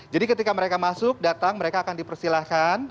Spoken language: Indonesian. jadi ketika mereka masuk datang mereka akan dipersilahkan